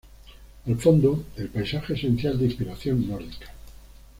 Al fondo, el paisaje esencial, de inspiración nórdica.